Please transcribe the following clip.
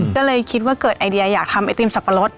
ก็เลยคิดว่าเกิดไอเดียอยากทำไอติมสับปะรด